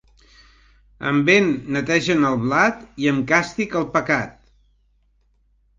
Amb vent netegen el blat, i amb càstig el pecat.